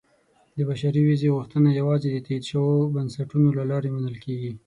• د بشري ویزې غوښتنه یوازې د تایید شویو بنسټونو له لارې منل کېږي.